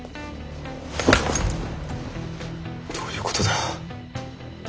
どういうことだ？